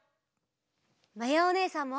まやおねえさんも！